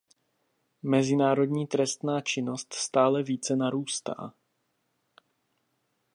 Mezinárodní trestná činnost stále více narůstá.